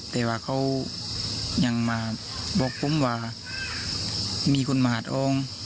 แต่ว่าเขายังมาบอกผมว่ามีคนมาหาทอง